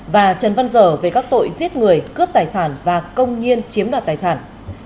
và trần văn dở về các tội giết người cướp tài sản và công nhiên chiếm đoạt tài sản